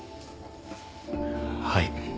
はい